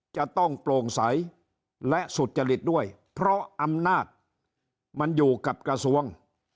จะต้องโปร่งใสและสุจริตด้วยเพราะอำนาจมันอยู่กับกระทรวง